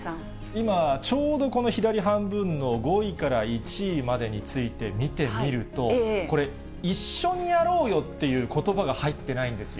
今、ちょうどこの左半分の５位から１位までについて見てみると、これ、一緒にやろうよっていうことばが入ってないんですよ。